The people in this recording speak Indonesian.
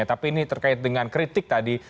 tapi ini terkait dengan kritik tadi